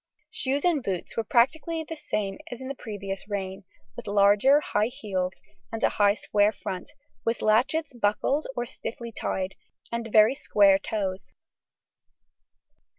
Shoes and boots were practically the same as in the previous reign, with larger high heels and a high square front, with latchets buckled or stiffly tied, and very square toes.